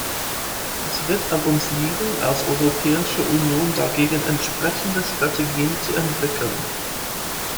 Es wird an uns liegen, als Europäische Union dagegen entsprechende Strategien zu entwickeln.